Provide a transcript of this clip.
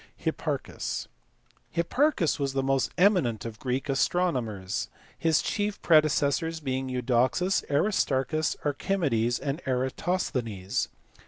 Hipparchus*. Hipparchus was the most eminent of Greek astronomers his chief predecessors being Eudoxus, Aristarchus, Archimedes, and Eratosthenes.